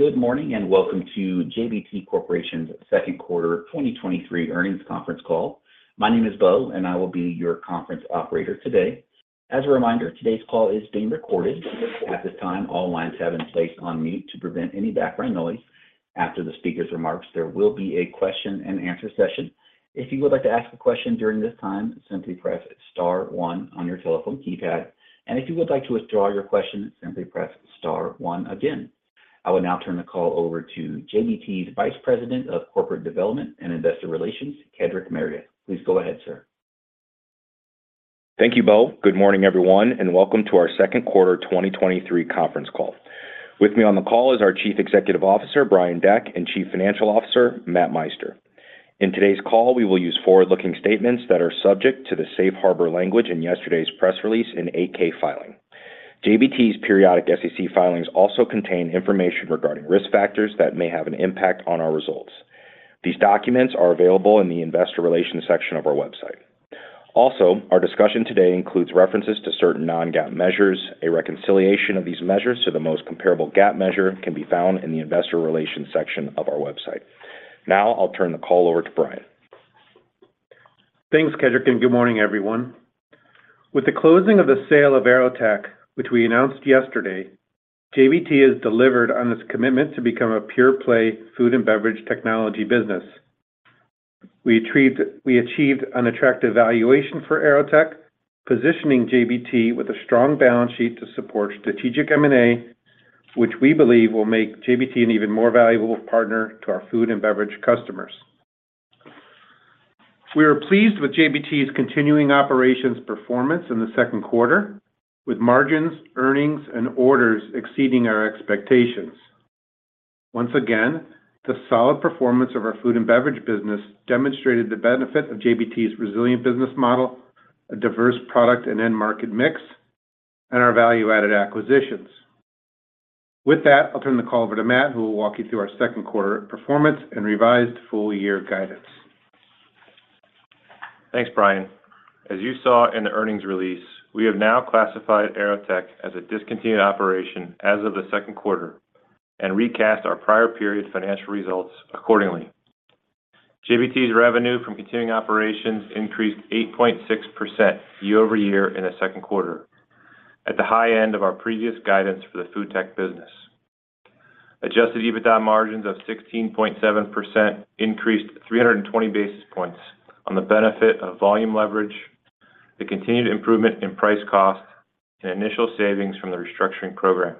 Good morning, and welcome to JBT Corporation's Second Quarter 2023 Earnings Conference Call. My name is Beau, and I will be your conference operator today. As a reminder, today's call is being recorded. At this time, all lines have been placed on mute to prevent any background noise. After the speaker's remarks, there will be a question and answer session. If you would like to ask a question during this time, simply press star one on your telephone keypad, and if you would like to withdraw your question, simply press star one again. I will now turn the call over to JBT's Vice President of Corporate Development and Investor Relations, Kedric Meredith. Please go ahead, sir. Thank you, Beau. Good morning, everyone, and welcome to our second quarter 2023 conference call. With me on the call is our Chief Executive Officer, Brian Deck, and Chief Financial Officer, Matt Meister. In today's call, we will use forward-looking statements that are subject to the safe harbor language in yesterday's press release and 8-K filing. JBT's periodic SEC filings also contain information regarding risk factors that may have an impact on our results. These documents are available in the Investor Relations section of our website. Also, our discussion today includes references to certain non-GAAP measures. A reconciliation of these measures to the most comparable GAAP measure can be found in the Investor Relations section of our website. Now, I'll turn the call over to Brian. Thanks, Kedric. Good morning, everyone. With the closing of the sale of AeroTech, which we announced yesterday, JBT has delivered on its commitment to become a pure-play food and beverage technology business. We achieved an attractive valuation for AeroTech, positioning JBT with a strong balance sheet to support strategic M&A, which we believe will make JBT an even more valuable partner to our food and beverage customers. We are pleased with JBT's continuing operations performance in the second quarter, with margins, earnings, and orders exceeding our expectations. Once again, the solid performance of our food and beverage business demonstrated the benefit of JBT's resilient business model, a diverse product and end market mix, and our value-added acquisitions. With that, I'll turn the call over to Matt, who will walk you through our second quarter performance and revised full-year guidance. Thanks, Brian. As you saw in the earnings release, we have now classified AeroTech as a discontinued operation as of the second quarter and recast our prior period financial results accordingly. JBT's revenue from continuing operations increased 8.6% year-over-year in the second quarter at the high end of our previous guidance for the FoodTech business. Adjusted EBITDA margins of 16.7% increased 320 basis points on the benefit of volume leverage, the continued improvement in price cost, and initial savings from the restructuring program.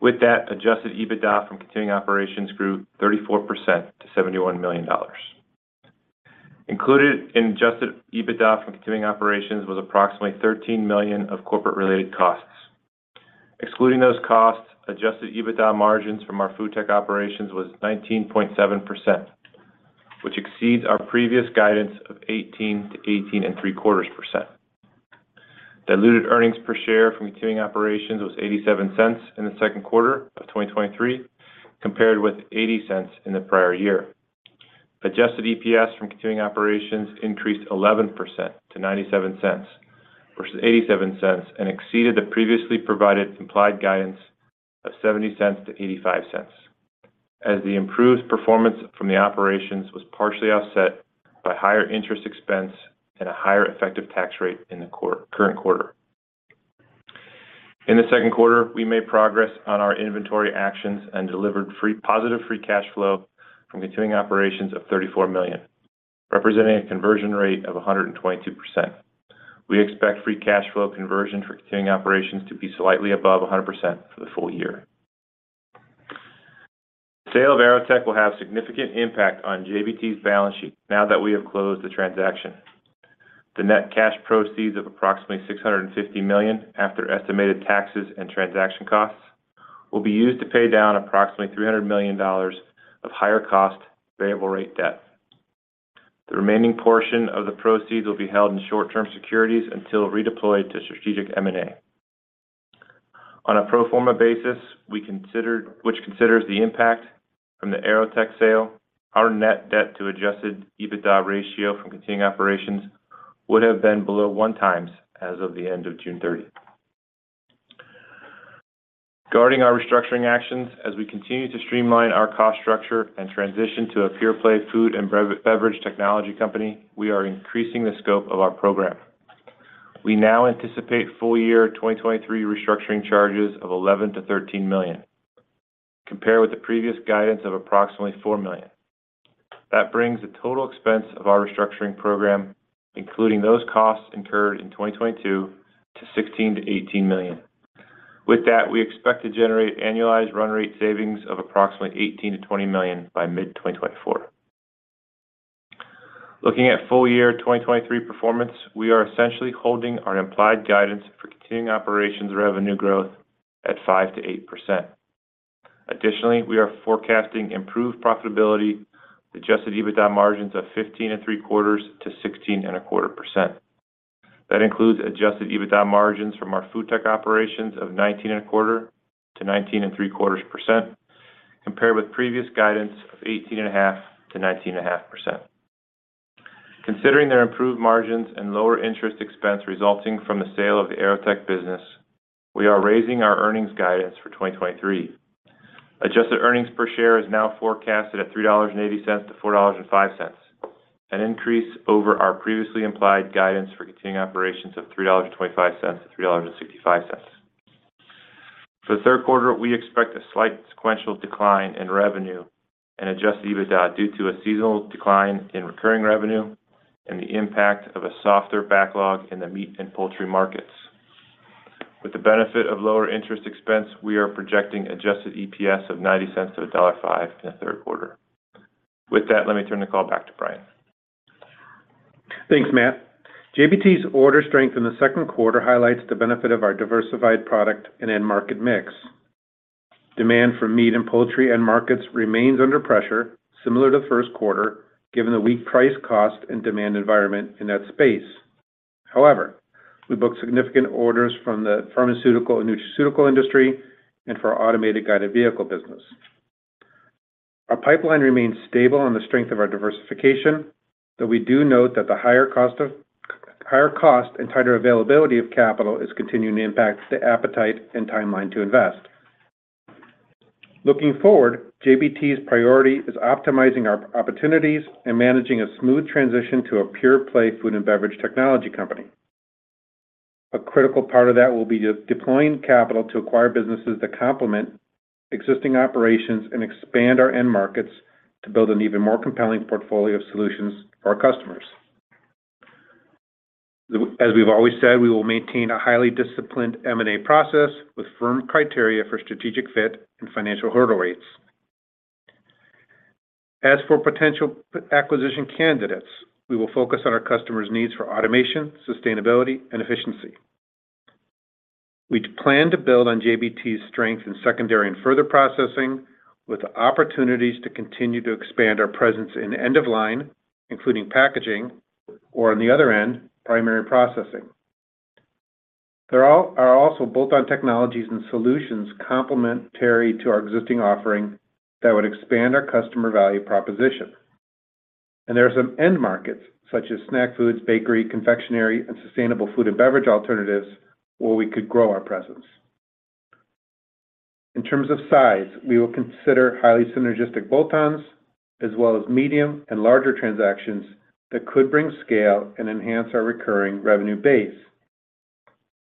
With that, adjusted EBITDA from continuing operations grew 34% to $71 million. Included in adjusted EBITDA from continuing operations was approximately $13 million of corporate related costs. Excluding those costs, adjusted EBITDA margins from our FoodTech operations was 19.7%, which exceeds our previous guidance of 18%-18.75%. Diluted earnings per share from continuing operations was $0.87 in the second quarter of 2023, compared with $0.80 in the prior year. Adjusted EPS from continuing operations increased 11% to $0.97 versus $0.87 and exceeded the previously provided implied guidance of $0.70-$0.85, as the improved performance from the operations was partially offset by higher interest expense and a higher effective tax rate in the current quarter. In the second quarter, we made progress on our inventory actions and delivered positive free cash flow from continuing operations of $34 million, representing a conversion rate of 122%. We expect free cash flow conversion for continuing operations to be slightly above 100% for the full year. The sale of AeroTech will have significant impact on JBT's balance sheet now that we have closed the transaction. The net cash proceeds of approximately $650 million after estimated taxes and transaction costs, will be used to pay down approximately $300 million of higher cost variable rate debt. The remaining portion of the proceeds will be held in short-term securities until redeployed to strategic M&A. On a pro forma basis, which considers the impact from the AeroTech sale, our net debt to adjusted EBITDA ratio from continuing operations would have been below 1x as of the end of June 30th. Regarding our restructuring actions, as we continue to streamline our cost structure and transition to a pure-play food and beverage technology company, we are increasing the scope of our program. We now anticipate full year 2023 restructuring charges of $11 million-$13 million, compared with the previous guidance of approximately $4 million. That brings the total expense of our restructuring program, including those costs incurred in 2022, to $16 million-$18 million. With that, we expect to generate annualized run rate savings of approximately $18 million-$20 million by mid-2024. Looking at full year 2023 performance, we are essentially holding our implied guidance for continuing operations revenue growth at 5%-8%. We are forecasting improved profitability with adjusted EBITDA margins of 15.75%-16.25%. That includes adjusted EBITDA margins from our FoodTech operations of 19.25%-19.75%, compared with previous guidance of 18.5%-19.5%. Considering their improved margins and lower interest expense resulting from the sale of the AeroTech business, we are raising our earnings guidance for 2023. Adjusted earnings per share is now forecasted at $3.80-$4.05, an increase over our previously implied guidance for continuing operations of $3.25-$3.65. For the third quarter, we expect a slight sequential decline in revenue and Adjusted EBITDA due to a seasonal decline in recurring revenue and the impact of a softer backlog in the meat and poultry markets. With the benefit of lower interest expense, we are projecting adjusted EPS of $0.90-$1.05 in the third quarter. With that, let me turn the call back to Brian. Thanks, Matt. JBT's order strength in the second quarter highlights the benefit of our diversified product and end market mix. Demand for meat and poultry end markets remains under pressure, similar to the first quarter, given the weak price cost and demand environment in that space. However, we booked significant orders from the pharmaceutical and nutraceutical industry and for our automated guided vehicle business. Our pipeline remains stable on the strength of our diversification, though we do note that the higher cost and tighter availability of capital is continuing to impact the appetite and timeline to invest. Looking forward, JBT's priority is optimizing our opportunities and managing a smooth transition to a pure-play food and beverage technology company. A critical part of that will be deploying capital to acquire businesses that complement existing operations and expand our end markets to build an even more compelling portfolio of solutions for our customers. As we've always said, we will maintain a highly disciplined M&A process with firm criteria for strategic fit and financial hurdle rates. As for potential acquisition candidates, we will focus on our customers' needs for automation, sustainability, and efficiency. We plan to build on JBT's strength in secondary and further processing, with opportunities to continue to expand our presence in end-of-line, including packaging or, on the other end, primary processing. There are also bolt-on technologies and solutions complementary to our existing offering that would expand our customer value proposition. There are some end markets, such as snack foods, bakery, confectionery, and sustainable food and beverage alternatives, where we could grow our presence. In terms of size, we will consider highly synergistic bolt-ons, as well as medium and larger transactions that could bring scale and enhance our recurring revenue base.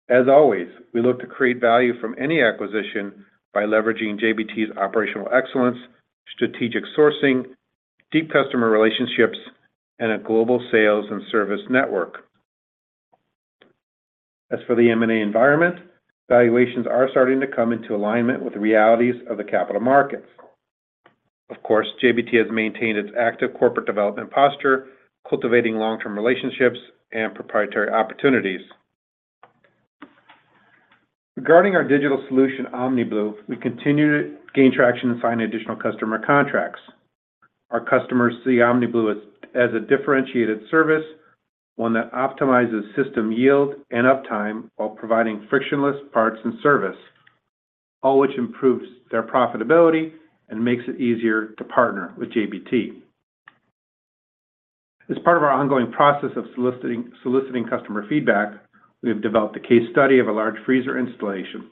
As always, we look to create value from any acquisition by leveraging JBT's operational excellence, strategic sourcing, deep customer relationships, and a global sales and service network. As for the M&A environment, valuations are starting to come into alignment with the realities of the capital markets. Of course, JBT has maintained its active corporate development posture, cultivating long-term relationships and proprietary opportunities. Regarding our digital solution, OmniBlu, we continue to gain traction and sign additional customer contracts. Our customers see OmniBlu as, as a differentiated service, one that optimizes system yield and uptime while providing frictionless parts and service, all which improves their profitability and makes it easier to partner with JBT. As part of our ongoing process of soliciting, soliciting customer feedback, we have developed a case study of a large freezer installation.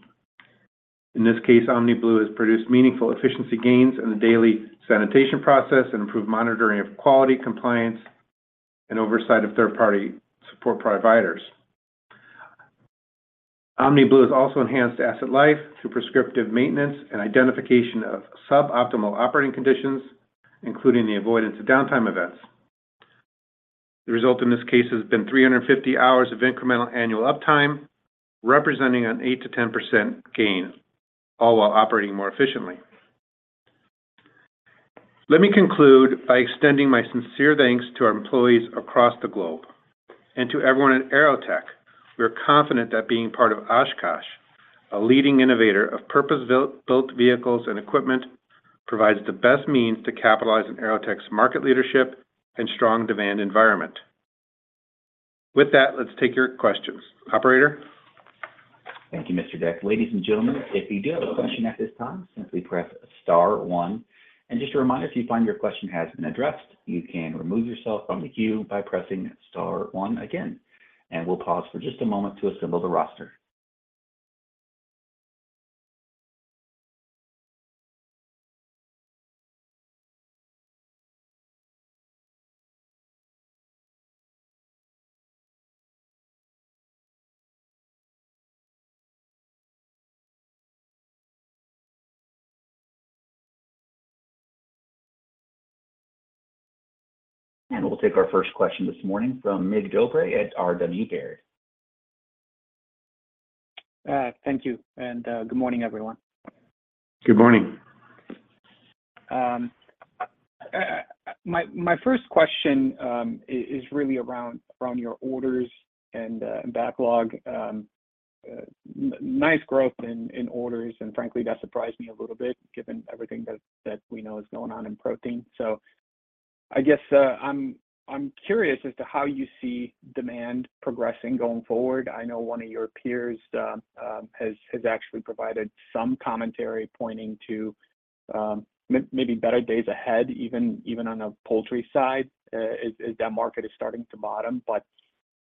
In this case, OmniBlu has produced meaningful efficiency gains in the daily sanitation process and improved monitoring of quality, compliance, and oversight of third-party support providers. OmniBlu has also enhanced asset life through prescriptive maintenance and identification of suboptimal operating conditions, including the avoidance of downtime events. The result in this case has been 350 hours of incremental annual uptime, representing an 8%-10% gain, all while operating more efficiently. Let me conclude by extending my sincere thanks to our employees across the globe and to everyone at AeroTech. We are confident that being part of Oshkosh, a leading innovator of purpose-built vehicles and equipment, provides the best means to capitalize on AeroTech's market leadership and strong demand environment. With that, let's take your questions. Operator? Thank you, Mr. Deck. Ladies and gentlemen, if you do have a question at this time, simply press star one. Just a reminder, if you find your question has been addressed, you can remove yourself from the queue by pressing star one again, and we'll pause for just a moment to assemble the roster. We'll take our first question this morning from Mig Dobre at RW Baird. Thank you, and good morning, everyone. Good morning. My first question is really around your orders and backlog. Nice growth in orders, and frankly, that surprised me a little bit, given everything that we know is going on in Protein. I guess, I'm curious as to how you see demand progressing going forward. I know one of your peers has actually provided some commentary pointing to maybe better days ahead, even on the poultry side, as that market is starting to bottom.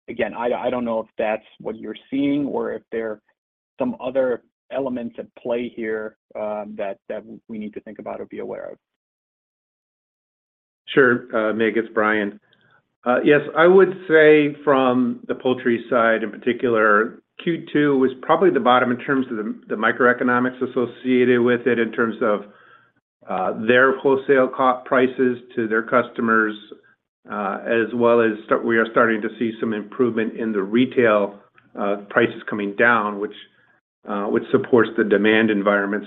Again, I don't know if that's what you're seeing or if there are some other elements at play here that we need to think about or be aware of? Sure, Mig, it's Brian. Yes, I would say from the poultry side, in particular, Q2 was probably the bottom in terms of the, the microeconomics associated with it, in terms of their wholesale co- prices to their customers, as well as we are starting to see some improvement in the retail prices coming down, which supports the demand environment.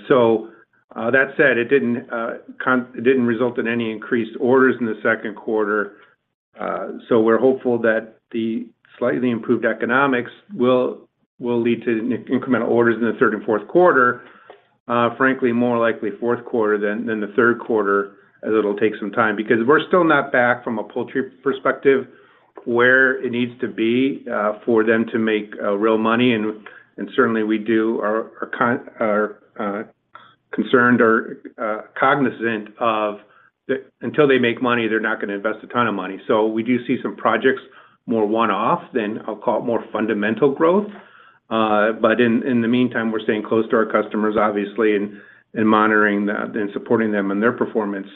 That said, it didn't. It didn't result in any increased orders in the second quarter. We're hopeful that the slightly improved economics will, will lead to incremental orders in the third and fourth quarter. Frankly, more likely fourth quarter than the third quarter, as it'll take some time. Because we're still not back from a poultry perspective, where it needs to be for them to make real money. Certainly, we do. Are concerned or cognizant of the until they make money, they're not gonna invest a ton of money. We do see some projects, more one-off than I'll call it, more fundamental growth. In the meantime, we're staying close to our customers, obviously, and monitoring the and supporting them in their performance.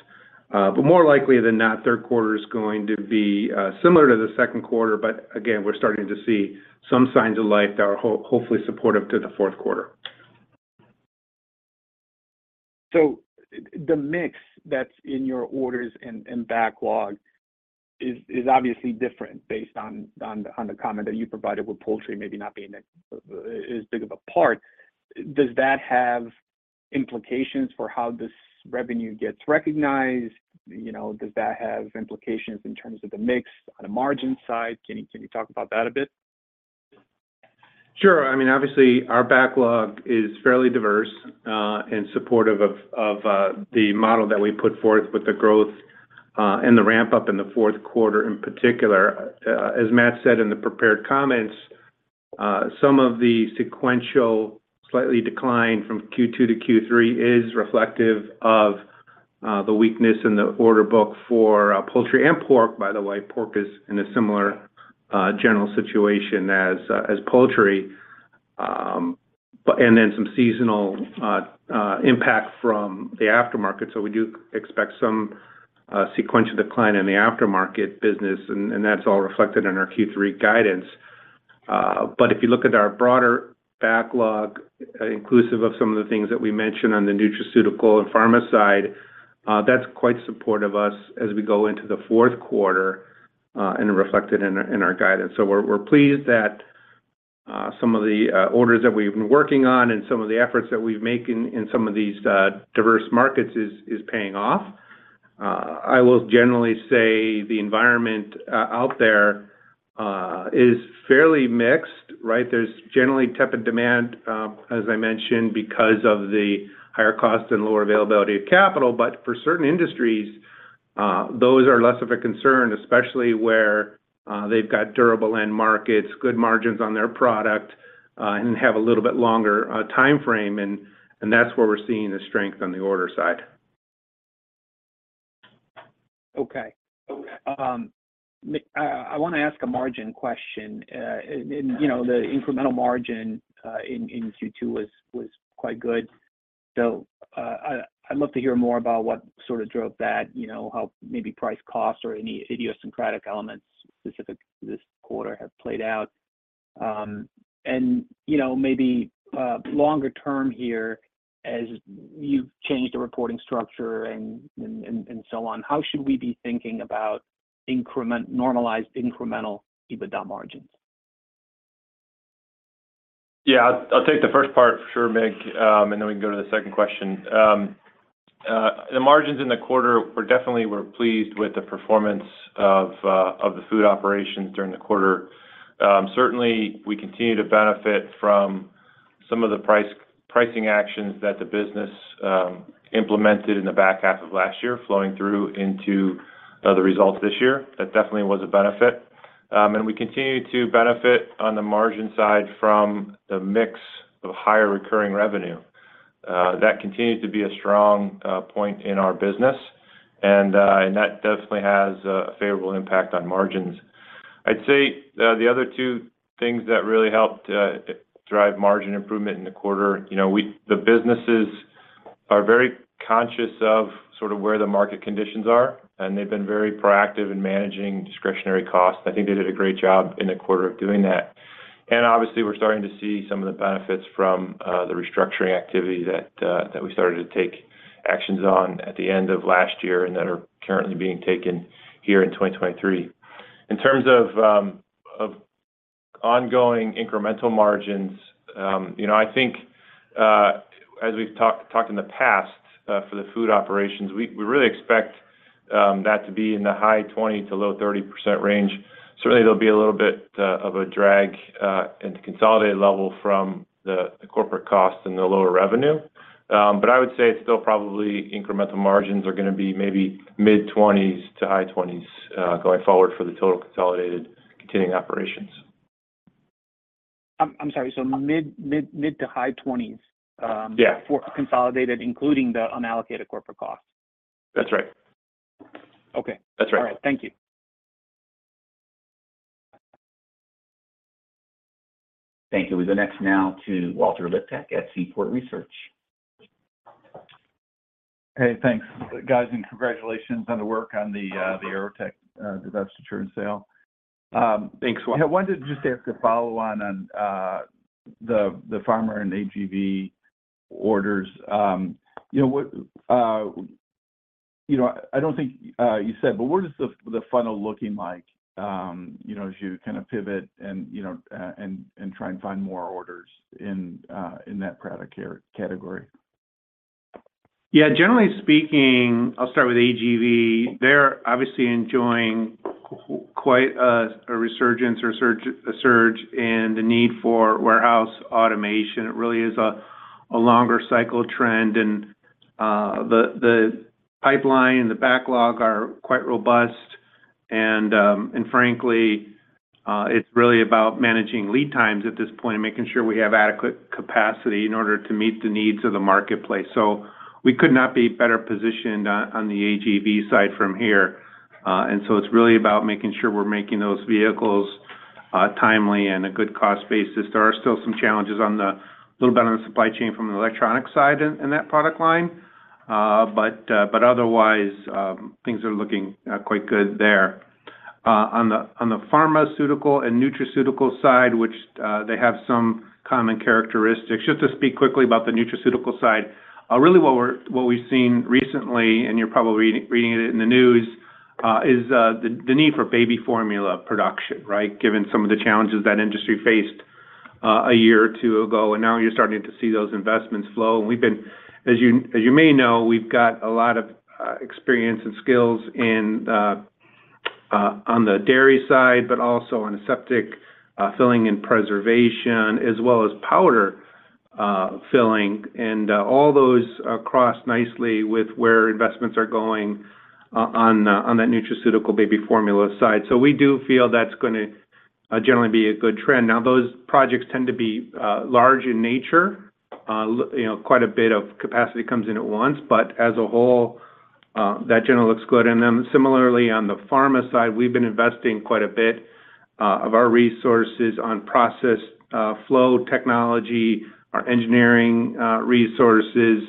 More likely than not, third quarter is going to be similar to the second quarter. Again, we're starting to see some signs of life that are hopefully supportive to the fourth quarter. The mix that's in your orders and, and backlog is, is obviously different based on, on, on the comment that you provided, with poultry maybe not being as, as big of a part. Does that have implications for how this revenue gets recognized? You know, does that have implications in terms of the mix on the margin side? Can you, can you talk about that a bit? Sure. I mean, obviously, our backlog is fairly diverse, and supportive of, of, the model that we put forth with the growth, and the ramp-up in the fourth quarter, in particular. As Matt said in the prepared comments, some of the sequential slightly decline from Q2 to Q3 is reflective of, the weakness in the order book for, poultry and pork. By the way, pork is in a similar, general situation as, as poultry. but and then some seasonal, impact from the aftermarket. So we do expect some, sequential decline in the aftermarket business, and, and that's all reflected in our Q3 guidance. If you look at our broader backlog, inclusive of some of the things that we mentioned on the nutraceutical and pharma side, that's quite supportive us as we go into the 4th quarter, and reflected in our, in our guidance. We're, we're pleased that some of the orders that we've been working on and some of the efforts that we've made in, in some of these diverse markets is, is paying off. I will generally say the environment out there is fairly mixed, right? There's generally tepid demand, as I mentioned, because of the higher cost and lower availability of capital. For certain industries, those are less of a concern, especially where they've got durable end markets, good margins on their product, and have a little bit longer timeframe. That's where we're seeing the strength on the order side. Okay. I, I wanna ask a margin question. You know, the incremental margin in Q2 was quite good. I, I'd love to hear more about what sort of drove that, you know, how maybe price cost or any idiosyncratic elements specific to this quarter have played out. You know, maybe, longer term here, as you've changed the reporting structure and, and, and so on, how should we be thinking about increment-- normalized incremental EBITDA margins? Yeah, I'll take the first part for sure, Mig, then we can go to the second question. The margins in the quarter were definitely... We're pleased with the performance of the food operations during the quarter. Certainly, we continue to benefit from some of the price- pricing actions that the business implemented in the back half of last year, flowing through into the results this year. That definitely was a benefit. We continue to benefit on the margin side from the mix of higher recurring revenue. That continues to be a strong point in our business, and that definitely has a, a favorable impact on margins. I'd say, the other two things that really helped drive margin improvement in the quarter, you know, the businesses are very conscious of sort of where the market conditions are, and they've been very proactive in managing discretionary costs. I think they did a great job in the quarter of doing that. Obviously, we're starting to see some of the benefits from the restructuring activity that we started to take actions on at the end of last year and that are currently being taken here in 2023. In terms of ongoing incremental margins, you know, I think as we've talked, talked in the past, for the food operations, we really expect that to be in the high 20% to low 30% range. Certainly, there'll be a little bit of a drag, and consolidated level from the, the corporate costs and the lower revenue. I would say it's still probably incremental margins are gonna be maybe mid-20s-high 20s going forward for the total consolidated continuing operations. I'm, I'm sorry, so mid-to-high 20s Yeah. for consolidated, including the unallocated corporate costs? That's right. Okay. That's right. All right. Thank you. Thank you. We go next now to Walter Liptak at Seaport Research. Hey, thanks, guys. Congratulations on the work on the AeroTech divestiture and sale. Thanks, Wal- I wanted to just ask a follow on, on, the pharma and AGV orders. You know, what, you know, I don't think, you said, but what is the funnel looking like, you know, as you kind of pivot and, you know, and, and try and find more orders in, in that product care category? Yeah, generally speaking, I'll start with AGV. They're obviously enjoying quite a, a resurgence or surge, a surge in the need for warehouse automation. It really is a, a longer cycle trend. The, the pipeline and the backlog are quite robust. Frankly, it's really about managing lead times at this point and making sure we have adequate capacity in order to meet the needs of the marketplace. We could not be better positioned on, on the AGV side from here. It's really about making sure we're making those vehicles timely and a good cost basis. There are still some challenges on the, little better on the supply chain from the electronic side in, in that product line. Otherwise, things are looking quite good there. On the, on the pharmaceutical and nutraceutical side, which they have some common characteristics. Just to speak quickly about the nutraceutical side, really what we've seen recently, and you're probably reading, reading it in the news, is the need for baby formula production, right? Given some of the challenges that industry faced, a year or 2 ago, and now you're starting to see those investments flow. We've been, as you, as you may know, we've got a lot of experience and skills in on the dairy side, but also on aseptic filling and preservation, as well as powder filling. All those cross nicely with where investments are going on that nutraceutical baby formula side. We do feel that's going to generally be a good trend. Those projects tend to be large in nature. You know, quite a bit of capacity comes in at once, but as a whole, that generally looks good. Similarly, on the pharma side, we've been investing quite a bit of our resources on process flow technology, our engineering resources.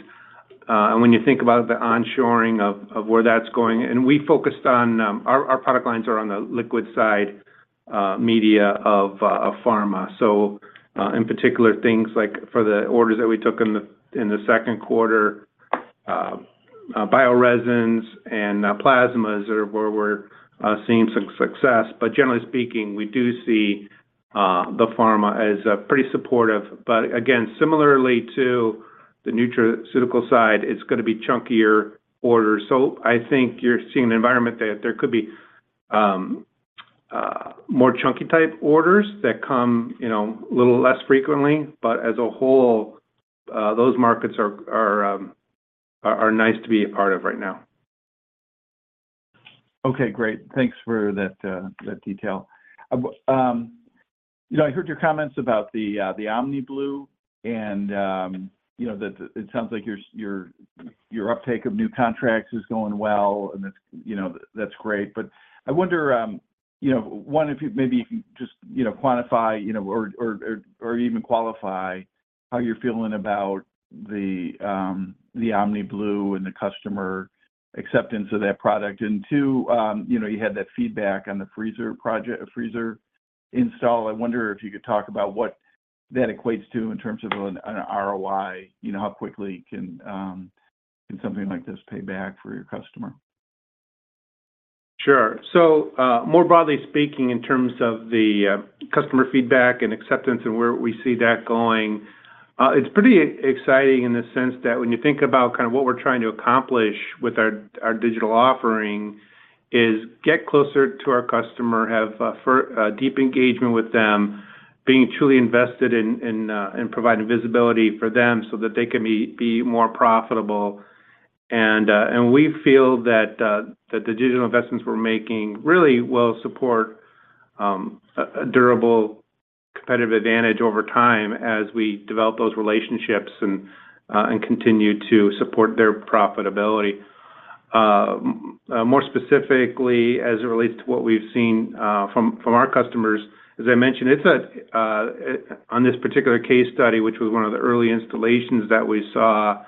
When you think about the onshoring of, of where that's going, and we focused on. Our product lines are on the liquid side, media of pharma. In particular, things like for the orders that we took in the second quarter, bio-resins and plasmas are where we're seeing some success. Generally speaking, we do see the pharma as pretty supportive. Again, similarly to the nutraceutical side, it's gonna be chunkier orders. I think you're seeing an environment that there could be, more chunky type orders that come, you know, a little less frequently. As a whole, those markets are, are, are nice to be a part of right now. Okay, great. Thanks for that, that detail. You know, I heard your comments about the OmniBlu and, you know, that it sounds like your, your, your uptake of new contracts is going well, and that's, you know, that's great. I wonder, you know, one, if you maybe if you just, you know, quantify, you know, or, or, or, or even qualify how you're feeling about the OmniBlu and the customer acceptance of that product. Two, you know, you had that feedback on the freezer project, freezer install. I wonder if you could talk about what that equates to in terms of an ROI. You know, how quickly can something like this pay back for your customer? Sure. More broadly speaking, in terms of the customer feedback and acceptance and where we see that going, it's pretty exciting in the sense that when you think about kind of what we're trying to accomplish with our, our digital offering, is get closer to our customer, have a deep engagement with them, being truly invested in providing visibility for them so that they can be more profitable. And we feel that the digital investments we're making really will support a durable, competitive advantage over time as we develop those relationships and continue to support their profitability. More specifically, as it relates to what we've seen from our customers, as I mentioned, it's on this particular case study, which was one of the early installations that we saw,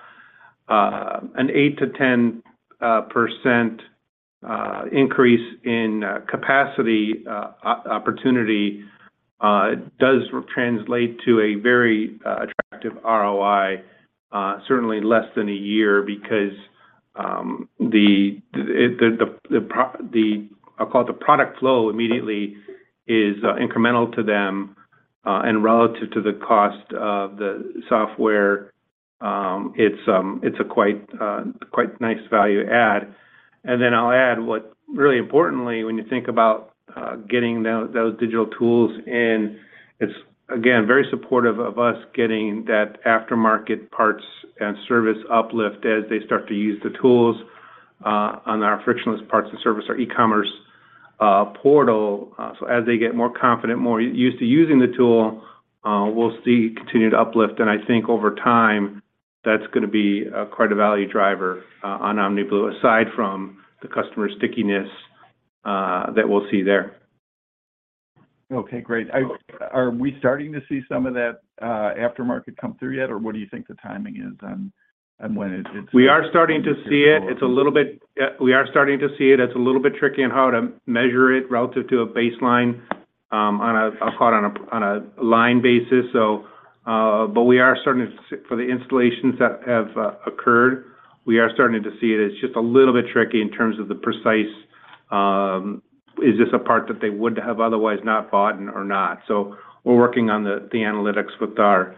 an 8%-10% increase in capacity opportunity, does translate to a very attractive ROI, certainly less than a year. Because the product flow immediately is incremental to them, and relative to the cost of the software, it's a quite nice value add. Then I'll add what, really importantly, when you think about, getting those, those digital tools in, it's again, very supportive of us getting that aftermarket parts and service uplift as they start to use the tools, on our frictionless parts and service, our e-commerce portal. As they get more confident, more used to using the tool, we'll see continued uplift. I think over time, that's gonna be quite a value driver on OmniBlu, aside from the customer stickiness, that we'll see there. Okay, great. Are we starting to see some of that, aftermarket come through yet, or what do you think the timing is on, on when it's? We are starting to see it. It's a little bit. We are starting to see it. It's a little bit tricky on how to measure it relative to a baseline, on a, I'll call it on a, on a line basis. But we are starting to s- for the installations that have occurred, we are starting to see it. It's just a little bit tricky in terms of the precise, is this a part that they would have otherwise not bought or not? We're working on the, the analytics with our,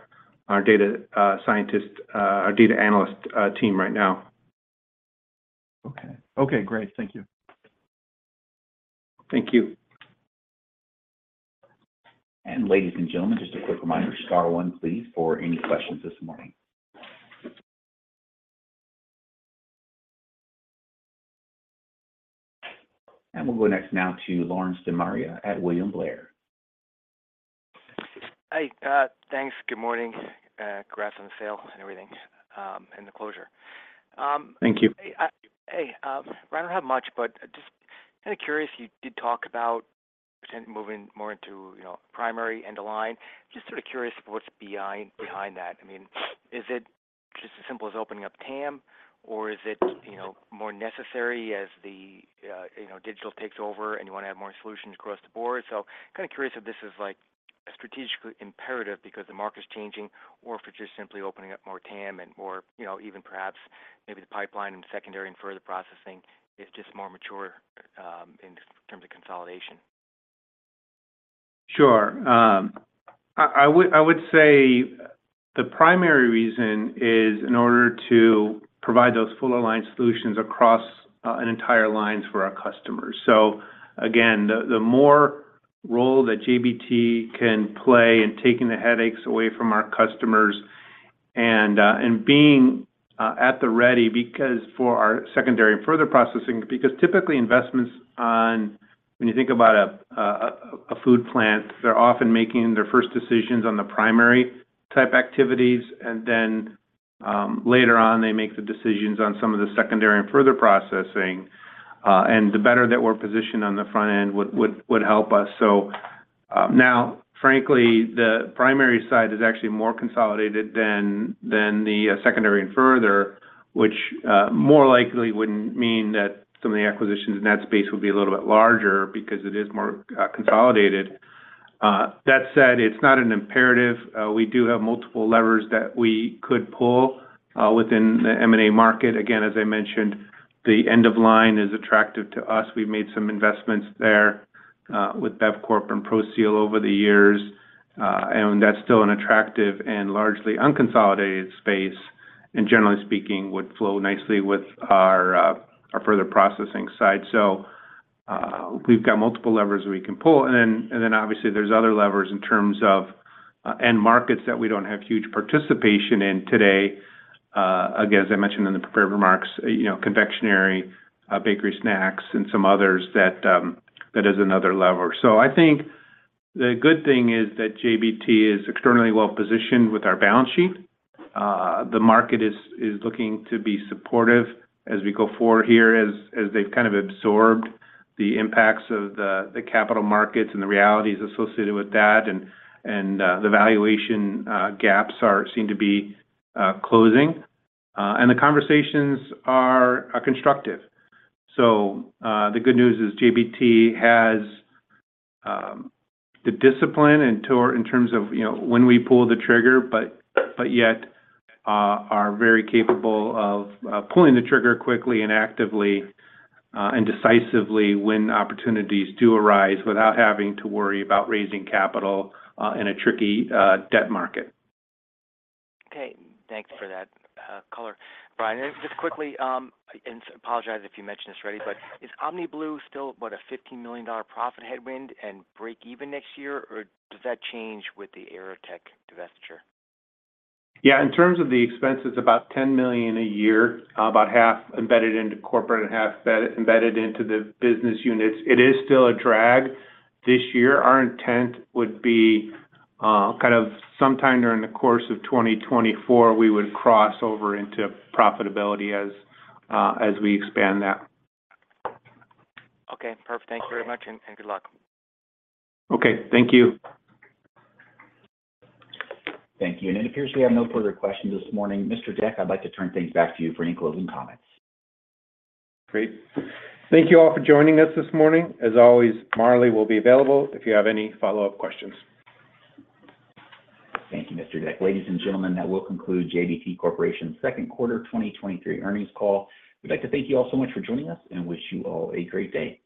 our data scientist, our data analyst team right now. Okay. Okay, great. Thank you. Thank you. Ladies and gentlemen, just a quick reminder, star one, please, for any questions this morning. We'll go next now to Lawrence De Maria at William Blair. Hi, thanks. Good morning. Congrats on the sale and everything, and the closure. Thank you. Hey, I-- Hey, Brian, I don't have much, but just kind of curious, you did talk about potentially moving more into, you know, primary end-of-line. Just sort of curious what's behind, behind that? I mean, is it just as simple as opening up TAM, or is it, you know, more necessary as the, you know, digital takes over and you wanna have more solutions across the board? Kind of curious if this is, like, a strategically imperative because the market is changing, or if it's just simply opening up more TAM and more, you know, even perhaps maybe the pipeline and secondary and further processing is just more mature, in terms of consolidation? Sure. I, I would, I would say the primary reason is in order to provide those full-of-line solutions across an entire lines for our customers. Again, the, the more role that JBT can play in taking the headaches away from our customers and and being at the ready, because for our secondary and further processing... Because typically, investments on, when you think about a food plant, they're often making their first decisions on the primary type activities, and then, later on, they make the decisions on some of the secondary and further processing. The better that we're positioned on the front end would help us. Now, frankly, the primary side is actually more consolidated than, than the secondary and further, which more likely wouldn't mean that some of the acquisitions in that space would be a little bit larger because it is more consolidated. That said, it's not an imperative. We do have multiple levers that we could pull within the M&A market. Again, as I mentioned, the end of line is attractive to us. We've made some investments there with Bevcorp and Proseal over the years, and that's still an attractive and largely unconsolidated space, and generally speaking, would flow nicely with our further processing side. We've got multiple levers we can pull. Obviously, there's other levers in terms of end markets that we don't have huge participation in today. Again, as I mentioned in the prepared remarks, you know, confectionary, bakery snacks, and some others that, that is another lever. I think the good thing is that JBT is externally well-positioned with our balance sheet. The market is, is looking to be supportive as we go forward here, as, as they've kind of absorbed the impacts of the, the capital markets and the realities associated with that, and, and, the valuation, gaps are, seem to be, closing. The conversations are, are constructive. The good news is JBT has the discipline and in terms of, you know, when we pull the trigger, but, but yet, are very capable of pulling the trigger quickly and actively and decisively when opportunities do arise, without having to worry about raising capital in a tricky debt market. Okay, thanks for that color. Brian, just quickly. I apologize if you mentioned this already, is OmniBlu still, what, a $15 million profit headwind and break even next year, or does that change with the AeroTech divestiture? Yeah, in terms of the expense, it's about $10 million a year, about 50% embedded into corporate and 50% embedded into the business units. It is still a drag this year. Our intent would be, kind of sometime during the course of 2024, we would cross over into profitability as, as we expand that. Okay, perfect. Okay. Thank you very much, and, and good luck. Okay, thank you. Thank you. It appears we have no further questions this morning. Mr. Deck, I'd like to turn things back to you for any closing comments. Great. Thank you all for joining us this morning. As always, Marley will be available if you have any follow-up questions. Thank you, Mr. Deck. Ladies and gentlemen, that will conclude JBT Corporation's Second Quarter 2023 Earnings Call. We'd like to thank you all so much for joining us and wish you all a great day.